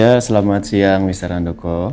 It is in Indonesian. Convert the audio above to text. ya selamat siang misa randoko